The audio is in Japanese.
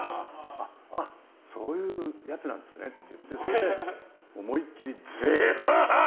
あ、そういうやつなんですねって言って、それで思いきり思い切り、ゼーハーハー！